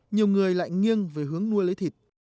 nhiều người lại nghiêng về hướng nuôi lấy thịt